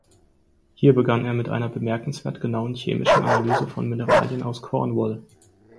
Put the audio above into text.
Hier begann er mit einer bemerkenswert genauen chemischen Analyse von Mineralien aus Cornwall.